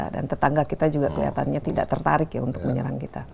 dan tetangga kita juga kelihatannya tidak tertarik untuk menyerang kita